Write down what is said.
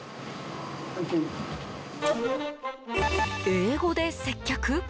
英語で接客？